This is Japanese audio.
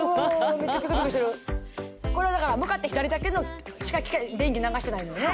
めっちゃピクピクしてるこれはだから向かって左だけしか電気流してないのよね？